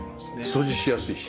掃除しやすいし。